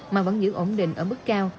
mà vẫn giữ ổn định ở mức cao